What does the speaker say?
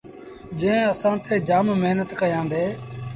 جݩهݩ اسآݩ تي جآم مهنت ڪيآندي۔